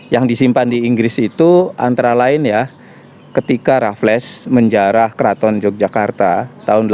yang disimpan di inggris itu antara lain ya ketika raffles menjarah keraton yogyakarta tahun seribu delapan ratus dua belas